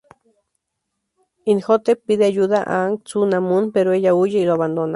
Imhotep pide ayuda a Anck-Su-Namun pero ella huye y lo abandona.